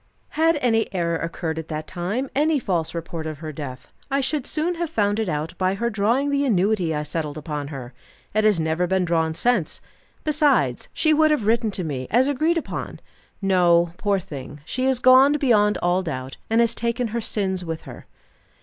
"Had any error occurred at that time, any false report of her death, I should soon have found it out by her drawing the annuity I settled upon her. It has never been drawn since. Besides, she would have written to me, as agreed upon. No, poor thing, she is gone beyond all doubt, and has taken her sins with her."